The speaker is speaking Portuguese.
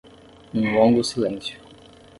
Um longo silêncio